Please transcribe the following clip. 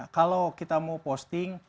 kalau kita mau posting